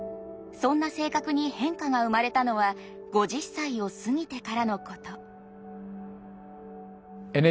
そんな性格に変化が生まれたのは５０歳を過ぎてからのこと。